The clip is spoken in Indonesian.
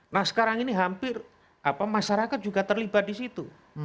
nah sekarang ini hampir masyarakat juga terlibat di situ